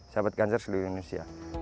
sahabat ganjar seluruh indonesia